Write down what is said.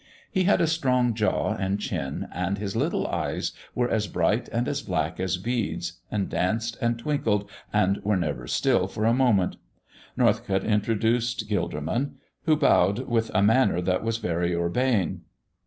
He had a strong jaw and chin, and his little eyes were as bright and as black as beads and danced and twinkled and were never still for a moment. Norcott introduced Gilderman, who bowed with a manner that was very urbane.